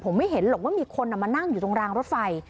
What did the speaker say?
ผมไม่เห็นหรอกว่ามีคนมานั่งอยู่ตรงรางรถไฟ